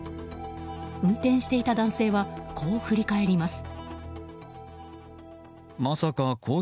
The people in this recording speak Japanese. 運転していた男性はこう振り返ります。